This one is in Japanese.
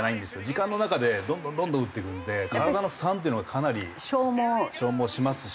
時間の中でどんどんどんどん打っていくので体の負担っていうのはかなり消耗しますし。